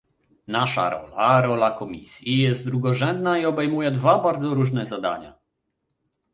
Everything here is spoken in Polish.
Nasza rola, rola Komisji, jest drugorzędna i obejmuje dwa bardzo różne zadania